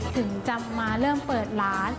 ถึงจะมาเริ่มเปิดร้าน